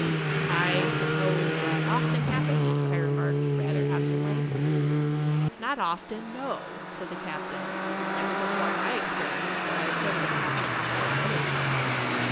"I suppose that often happens?" I remarked, rather absently. "Not often—no," said the captain; "never before in my experience, though I have heard of it[Pg 62] happening on board of other ships.